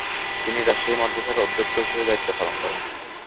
তিনি রাজশাহী মাদ্রাসার অধ্যক্ষ হিসেবে দায়িত্ব পালন করেন।